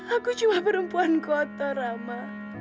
aku cuma perempuan kotor rama